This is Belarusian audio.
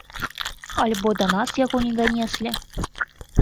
Альбо да нас яго не данеслі?